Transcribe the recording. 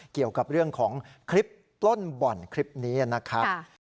เกี่ยวกับเรื่องของคลิปปล้นบ่อนคลิปนี้นะครับ